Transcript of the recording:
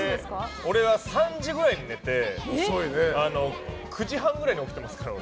俺は３時くらいに寝て９時半くらいに起きてますから。